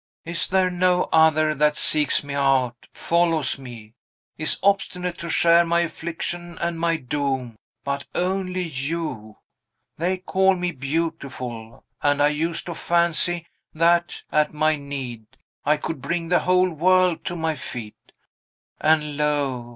"Is there no other that seeks me out, follows me, is obstinate to share my affliction and my doom, but only you! They call me beautiful; and I used to fancy that, at my need, I could bring the whole world to my feet. And lo!